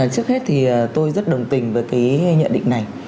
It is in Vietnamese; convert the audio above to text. trước hết thì tôi rất đồng tình với cái nhận định này